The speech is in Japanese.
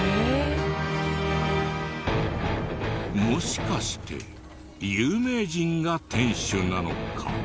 もしかして有名人が店主なのか？